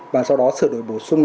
và sau đó sửa đổi bổ xuống